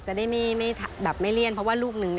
จะได้ไม่เลี่ยนเพราะว่าลูกนึง